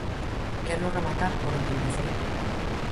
Quero rematar por onde empecei.